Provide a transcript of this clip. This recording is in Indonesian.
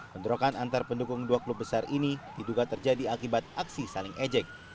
bentrokan antar pendukung dua klub besar ini diduga terjadi akibat aksi saling ejek